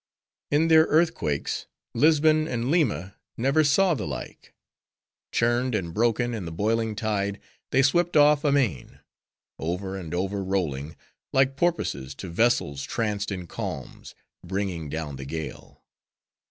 —In their earthquakes, Lisbon and Lima never saw the like. Churned and broken in the boiling tide, they swept off amain;—over and over rolling; like porpoises to vessels tranced in calms, bringing down the gale.